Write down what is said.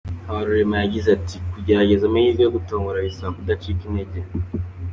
Habarurema yagize ati “Kugerageza amahirwe yo gutombora bisaba kudacika intege.